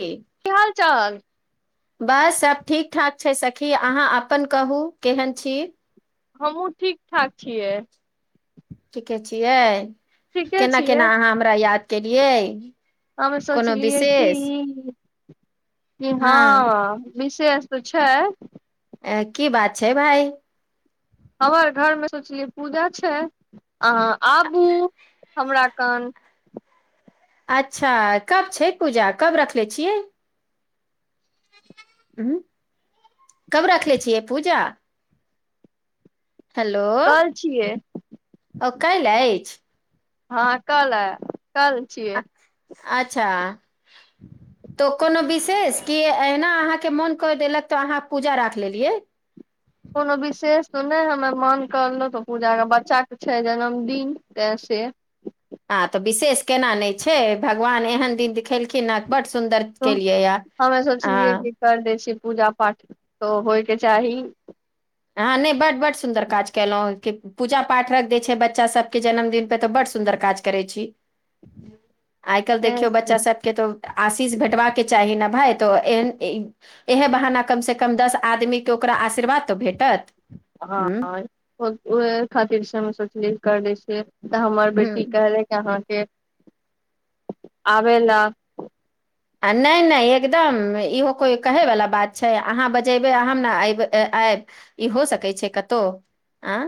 एक। की हाल- चाल। बस सब ठीक- ठाक छै, सखी अहाँ अपन कहू केहन छी। हमहुँ ठीक- ठाक छियै। ठीके छियै ठीके केना छियै -केना अहाँ हमरा याद केलियै। हममे कोनो सोचलियै विशेष की हँ विशेष पछ ह [inaudible] अंय की बात छै भाई। हमर घर में सोचलियै पूजा छै, अहाँ आबू हमरा कन। अच्छा कब छै पूजा, कब रखले छियै। हू कब रखले छियै पूजा? हेलो कल छियै ओ काल्हि अइछ। हँ कल है। अ -अच्छा। तऽ कोनो विशेष, कि एहिना अहाँके मोन क देलक तऽ अहाँ पूजा राख लेलियै। कोनो विशेष तऽ नै, हमर मन करलहुँ त पूजाके बच्चाके छै जन्मदिन तैं से। आ तऽ विशेष केना नहि छै, भगवान एहन दिन खेलखिन हँ बड सुन्दर तो केलियै यऽ। हमे आ सोचलियै कि कर दै छी पूजा- पाठ तऽ होइके चाही। आहां नै बड्ड- बड्ड सुन्दर काज कएलौं। पूजा- पाठ रख दै छै, बच्चा सबके जन्मदिन पर तऽ बड्ड सुन्दर काज करै छी। आइ काल्हि तैं देखियौ से बच्चा सबके तो आशीष भेटबाक चाही ने भाई, तो एहन इएह बहाना कमसँ कम से कम दस आदमी के ओकरा आशीर्वाद तऽ भेटत। हँ हूँ ओहे खातिर से हम सोचलि कर दै छियै, तऽ हमर बेटी हूँ कहले अहाँके आबै लए। आ नहि-नहि एकदम इहो कोइ कहै वला बात छै, अहाँ बजेबै हम ना अइब आयब। ई हो सकैत छै कत‌ऊ, आँ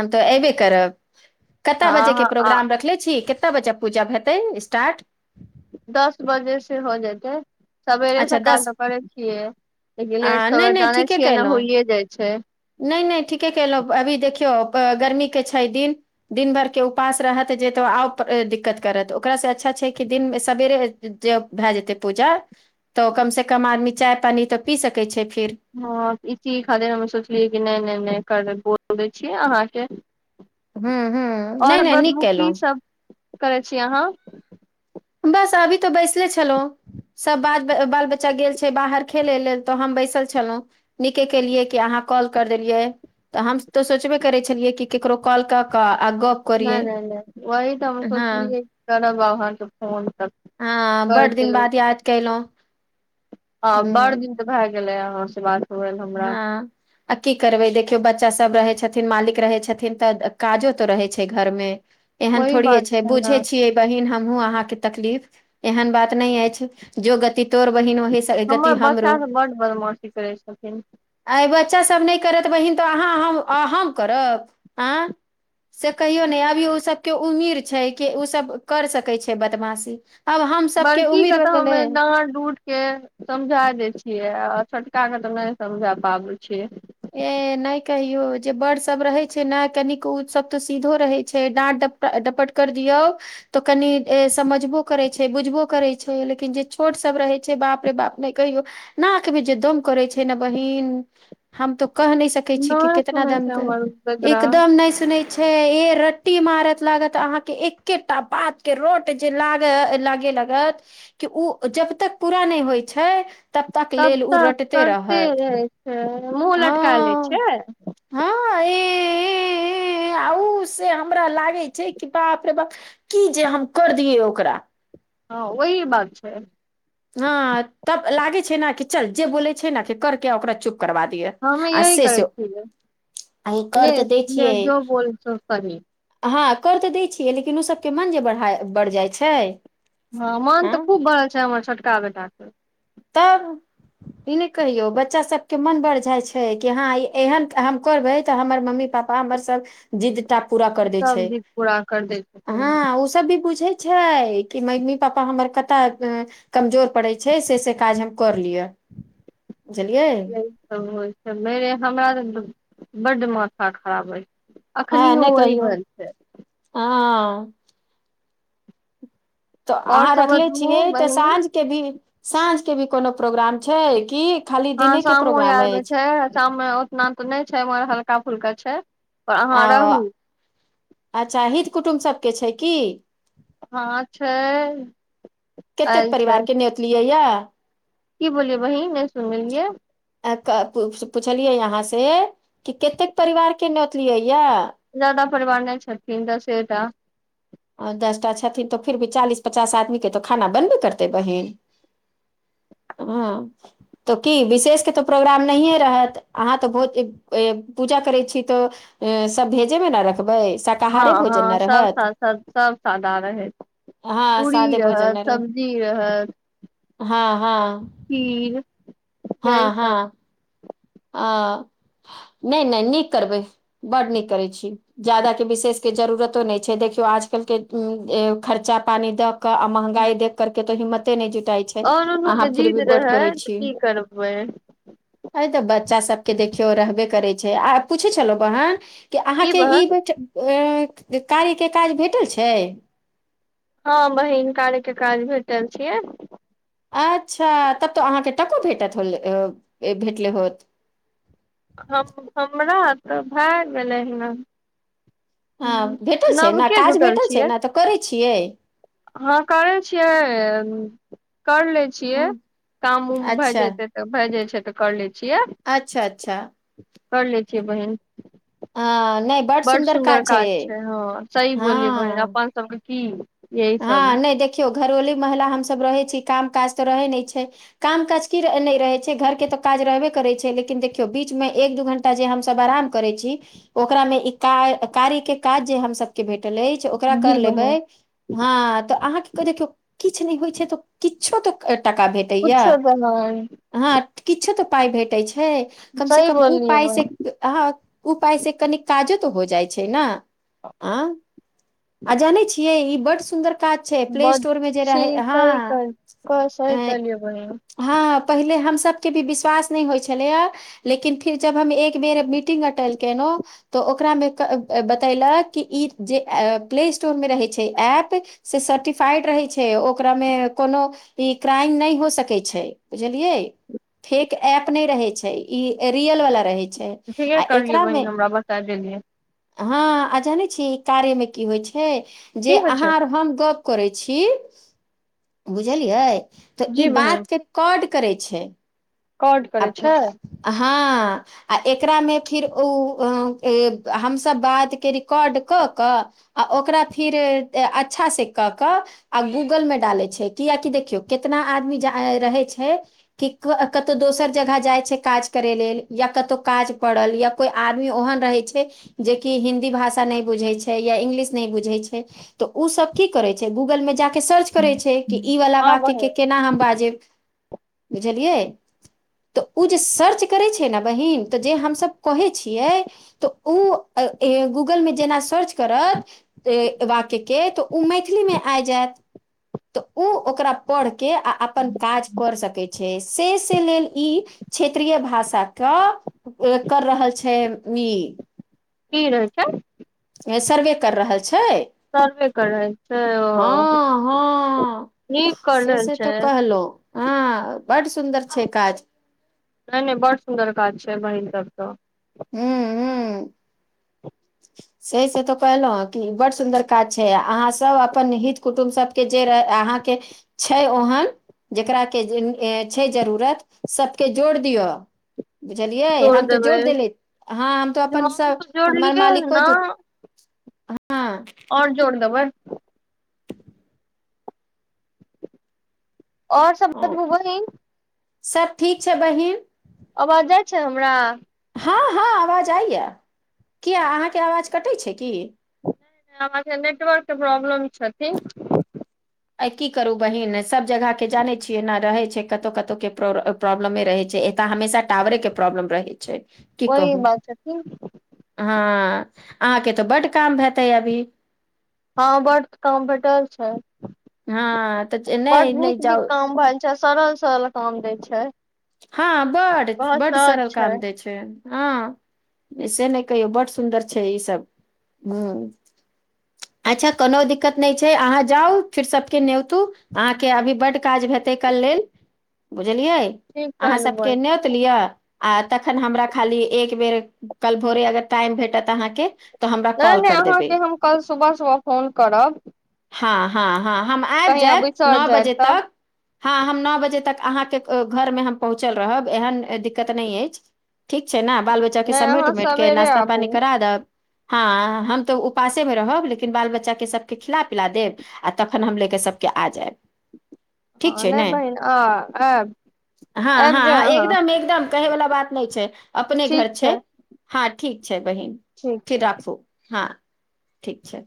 हम तऽ अऐबे करब। तऽ कता बजे के अहाँ आ- प्रोग्राम रखले छी, कएते बजे पूजा हेतै स्टार्ट। दस बजे से हो जेतै। सबेरे अच्छा सकाल दस त करेत छियै, लेकिन आ लेट सबेर जाने छियै न होइए जाइ छै। नहि-नहि ठीके केलहुँ, अभी देखियौ गर्मीके छै दिन। दिन भरके उपास रहत जे तऽ आउ दिक्कत करत, ओकरासँ अच्छा छै कि दिनम सवेरे ज्यो भए जेतै पूजा। तौं कम से कम आदमी चाय पानी तऽ पी सकै छै फेर। हँ इ चीज खातिर हम सोचलियै कि, नहि-नहि-नहि कर बोल दय छियै अहाँके हूँ हूँ नहि आओर नहि नीक बदबू की कयलहुँ सब करै छी अहाँ। बस अभी त बैसले छलौ। सब बाज बाल-बच्चा गेल छै बाहर खेले लेल, तऽ हम बैसल छलौ। नीके केलियै कि अहाँ कॉल कर देलियै। तऽ हम त सोचबे करै छलियै कि, ककरो कॉल कऽ-कऽ आ गप करियै नहि-नहि-नहि वही तऽ हम हँ सोचलियै करब आब अहाँ के फोन। त हँ कर बड दिन देलऊ, बाद याद कयलहुँ हँ बड़ हूँ दिन त भए गेलै अहो से बात। होएल हमरा हँ आ की करबै देखियौ, बच्चा सब रहै छथिन, मालिक रहै छथिन, तऽ काजो तऽ रहै छै घरमे। एहन ओहि थोड़ीेये बात छै, ने बुझे छियै बहिन हमहु अहाँके तकलीफ, एहन बात नहि अछि। जो गति तोड़ बहिन, ओहि स गति हमर बच्चा हमरो। सब बड बदमाशी करै छै। [unintelligible] आय बच्चासब नहि करत बहीन, तऽ अहाँ हम-हम करब आँ। से कहियो नहि अभी ओ सब के उम्मीर छै, कि उ सब कर सकै छै बदमाशी। आब हम सभके बड़की के उमिर तऽ भेलै हमे डाँट-डुट के समझा दय छियै, आ छोटका के तऽ नहि समझा पाबै छियै। ए नहि कहियो जे बड़ सब रहे छै न, कनिक उ सब तऽ सीधो रहै छै डाँट डप डपट कर दियऊ। तऽ कनि ए समझबो करैत छै, बुझबो करैत छै, लेकिन जे छोटसब रहैत छै बाप रे बाप नहि कहियो। नाकमे जे दम करै छै न बहिन, हम तो कह नहि सक कै छी नहि केतना सुनै दम छै के हमर बेदरा एकदम नहि सुनै छै ए रट्टी मारत लागत, अहा के एके टा बात के रोट जे लाग लागे ला गत कि उ जब तक पूरा नहि होइ छै तक तब लेल ओ तक रटते करते रहत रहै छै, मुँह लटका लै हँ छैय। हँ- ऐँ- ऐँ -ऐँ ऐँ आ उ से हमरा लागै छै कि, बाप रे बाप की जे हम कर दियए ओकरा। हँ ओही बात छै। हँ तब लागे छै न कि चल जे बोले छै न, के करके ओकरा चुप करबा दिए, हमे आ यही से से करै ओ छियै ओ कर ले तऽ दै ले छियै। जो बोल सो सही हँ कर तऽ दैत छियै, लेकिन उ सबके मन जे बाढ़ा बढ़ि जाइ छै। हँ मन तऽ खूब बढ़ल छै, हमर छोटका बेटाक तब ई नैय कहेयौ, बच्चा सबके मोन बड़्ह झाइ छै कि हँ इ एहन हम करबै तऽ हमर मम्मी पा पा हमर सब जिद टा पूरा कर देै छै, सब जिद पूरा कर दै छथिन हॅं उसब भी बुझै छैय कि मग्मी पापा हमर कतऽ कमजोर पड़ै छै, से से काज हम कर लिअ। बुझलियै? यहि सब होइ छै, मेरे हमरा त बड्ड माथा खराब अई। हॉं, नैय कहियौं, हॅं। तऽ और अहाँ सब रखले बतबू छियै तऽ बहिन साँझ के भी, साँझ के भी कोनो प्रोग्राम छै की? हँ सामों यार में छै, आ साम में ओतना तऽ नैय छै, मगर हल्का फुल्का छै। पर अहाँ अओ रहू अच्छा हित कुटुम सबके छै की? हँ, छै। केतेक आयल छै परिवार के न्योतलियै यैऽ? की बोललियै बहिन नैय सुनलियै? ए-क-पु-पूछलियै अहाँ से कि केतेक परिवार के नोतलियै यैऽ? जादा परिवार नैय छथिन, दसे टा। आ दस टा छथिन तऽ फिर भी चालीस पचास आदमी के तऽ खाना बनबे करतै बहीन। हॅं, तऽ की बिसेष के तऽ प्रोग्राम नहिये रहत? अहाँ तऽ भोद एक ओ-ए-पूजा करै छी तऽ सब भेजे में न रखबै? शकाहारे भोजन न रहत? सब-सब सादा रहै, हँ पूरी सादे रहत, सब्जी रहत हँ-हँ। खीर यही सब हँ-हँ। आ नैय नैय नीक करबै, बड्ड नीक करै छी। जादा के बिसेष के जरूरतो नैय छै, देखियौ आजकल के खर्चा पानि दऽ क आ महंगाई देख कर के त हिम्मते नैय जुटाई छै, और नुनू के अहाँ फिर जिद भी बड रहै करै छी। की करबै। त बच्चा सबके देखियौ रहबे करै छै, आ पूछै छलौं बहन कि अहाँ की के ई बहन बच एऽ कारी के काज भेटल छै? हँ बहिन, कारी के काज भेटल छियै। अच्छा तब तऽ अहाँ के टको भेटत होले ए-भेटले होत? हम-हमरा तऽ भैऽ गेलै हँ। हँ भेटल छै न? नवके काज जुटल भेटल छै छियै न? तऽ करै छियै? हँ करै छियै, कर ले छियै, हँ, काम उम भऽ अच्छा जेतै त, भैऽ जाइ छै तऽ कर लै छियै। अच्छा-अच्छा। कर लै छियै बहिन। अऽ नैय बड सुन्दर काज छै, हँ सही बोललियै बहिन हँ अपन सबके की यही सब हँ नैय देखियौ, घरोलू महिला हमसब रहै छी, काम काज तऽ रहै नैय छै? काम काज की र-नैय रहै छै? घरके तऽ काज रहबे करै छै, लेकिन देखियौ बीच में एक दू घं त जे हमसब आराम करै छी, ओकरा में ई का-कारी के काज जे हम सब के भेटल अई ओकरा जी कर लेबै बहिन हँ तऽ अहाँ क जे कियो किछ नैय होइ छै, तऽ किछो तऽ टाका भेट कुछो त नैय। हँ किछो तऽ पाइ भेटै छै, कम से सही कम ऊ बोललियै पाइ से बहिन अ उपाय से कनि काजो तऽ हो जाइ छै ने अ आ जानै छियै ई बड् सुन्दर काज छै प्ले बड स्टोर मे जे रहै सही हँ सही कहलियै बहिन [unintelligible] हँ पहिले हमसके भी विश्वास नहि होइ छलैय। लेकिन फिर जब हम एक बेर मीटिंग अटेड के न तऽ ओकरामे बतैेलक कि ई जे प्ले स्टोर मे रहैत छै एऐप्प से सर्टिफाइड रहै छै ओकरामे कोनो ई क्राइम नहि हो सकै छै बुझलियै। फेक एप ने रहे छै इ रियल वाला रहे। छै ठीके आ करलियै एकरामे बहिन हमरा बता देलियै हँ आ जानै छी ई कार्यमे की होइत छै की जे होइ अहाँ छै आर हम गप करै छी बुझलियै। तऽ ई जी बहिन बात के कड करै छै। कॉड अ करै छै [unintelligible] हँ आ एकरामे फेर ओ आ ए हमसभ बादकेँ रिकॉर्ड कऽ कऽ आ ओकरा फेर अच्छासँ कऽ कऽ आ गूगल मे डाले छै किआकि देखियौ केितना आदमी जा रहै छै कि कत कतौ दोसर जगह जाइ छै काज करय लेल या कतौ काज पड़ल या कोई आदमी ओहन रहै छै जेकि हिंन्दी भाषा नहि बुझैत छै या इंग्लिश नहि बुझैत छै। तऽ ओ सब की करै छै गूगल में जााक सर्च करै छै। कि ई वला हँ बातके बहिन केना हम बाजेब बुझलियै। तऽ ओ जे सर्च करैत छै ने बहिीन तऽ जे हमसभ कहै छियै। तऽ ओ आ ए गूगलमे जेना सर्च करत वाक्यके तऽ ओ मैथिलीमे आब जायत तऽ ओ ओकरा पढ़ के आ अपन काज कर सकैत छै सेष से लेल ई क्षेत्रीय भाषा के कर रहल छै ई की रहै छै। सर्वे कर रहल छै सर्वे कर रहल छै ओ हँ-हँ। नीक कर से रहल से छै तो कहलो हँ बड सुन्दर छै काज। नहि नहि बड़ सुन्दर काज छै बहिीन सभके। हू-हू सही से तऽ कहलहुँ कि बड़ सुन्दर काज छै अहाँ सब अपन हित कुटुम्ब सबके जे रहै अहाँके छै ओहन जकरा के जे छै जरूरत सबतके जोड़ दियअ बुझलियै जोड़ हम तऽ देबै जोर देले हँ हम तो जो अपन हम सब तऽ हमर जोड़लियै मालिको ने जु [unintelligible] हँ आओर जोड़ देबै। आओर सब [unintelligible] बतब ही सब ठीक छै बहिन। आबाज जाइ छै हमरा? हँ हँ आवाज आइया। किया अहाँके आवाज कटैत छै की? नहि नहि जे नेटवार्क के प्रॉब्लम छथि। आ की करू बहिन सब जगह के जाने छियै ने रहे छै कतौ कतौ के प्रो प्रॉब्लमे रह छै एतऽ हमेशा टावरे के प्रॉब्लम रहै छै। की वही कहू बात छथिन हँ अहाँके तऽ बड काम हेतै अभी। हँं बड्ड काम भेटल छै। हँ तऽ नहि बड्ड नहि नीक जाउ -नीक काम भैइल अच्छा। सड़ल- सड़ल काम दै छै। हँ बड्ऽ बहुत बड्ड सहज सडल काम देै छै। हँ। से नहि कहियौ बड सुन्दर छै ई सब। हं अच्छा कउनो दिक्कत नय छै। अहाँ जाउ फिर सबके न्यतु। अहाँके अभी बड्ड काज हेतै कल लेल, बुझलियै? ठीक कहलु अहाँसभके बहिन न्योत लिअ आ तखन हमरा खाली एक बेर कल भोरे अगर टाइम भेटत अहाँकेँ नय - नय अहाँके हम कल सुबह- सुबह फोन करब। हँ- हँ- हँ -हम आइब कहीं आ जैऽब बिसर नऽओ जायब बजे तब तक। हँ-हम नौ बजे तक अहाँके क-घरमे हम पहुँचल रहब एहन दिक्कत नय अइछ। ठीक छै ने बाल -बच- च्चा के नहि समेट अहाँ -उमेट के सवेरे नाास्ता आबू पानी करा द्क- हँ। हम तऽ उपासेमे रहब लेकिन बाल बच्चाके सबके खिला -पिला देब आ तख्खन हम लेके सभके आ जैऽब। हँ नय बहिन आ ऐऽब। हँ- हँ -ह एकदम -एकदम कहैवला बात नय छै। अपने घर छै। हँ ठीक छै बहिन‌ ठीक छै फिर राखू हँ। ठीक छै।